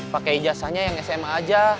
pake ijasanya yang sma aja